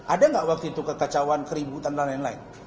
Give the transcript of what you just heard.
ada nggak waktu itu kekacauan keributan dan lain lain